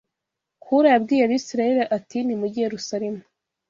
Kuro yabwiye Abisirayeli ati nimujye i Yerusalemu